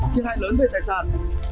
khiến hại lớn về tài sản